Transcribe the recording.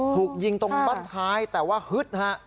ถูกยิงตรงบ้านท้ายแต่ว่าฮึดฮะ